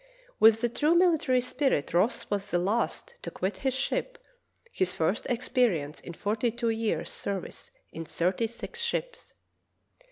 With the true mihtary spirit Ross was the last to quit his ship, his first experience in forty two years' service in thirty six ships.